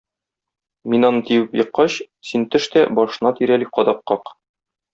Мин аны тибеп еккач, син төш тә башына тирәли кадак как.